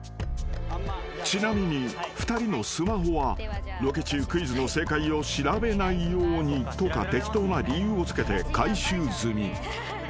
［ちなみに２人のスマホはロケ中クイズの正解を調べないようにとか適当な理由をつけて回収済み］